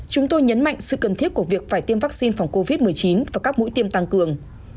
chúng tôi nhấn mạnh sự cần thiết của việc phải tiêm vaccine phòng covid một mươi chín và các mũi tiêm tăng cường